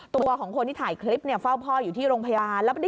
ตัวของคนที่ถ่ายคลิปเนี่ยเฝ้าพ่ออยู่ที่โรงพยาบาล